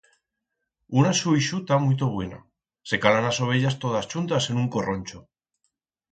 Una xuixuta muito buena: se calan as ovellas todas chuntas en un corroncho.